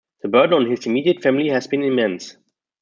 The burden on his immediate family has been immense.